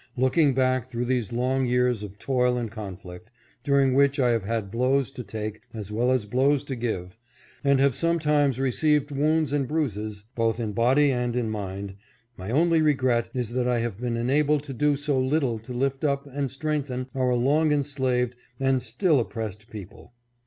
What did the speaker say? Looking back through these long years of toil and conflict, during which I have had blows to take as well as blows to give, and have sometimes received wounds and bruises, both in body and in mind, my only regret is that I have been enabled to do so little to lift up and strengthen our long enslaved and still oppressed people.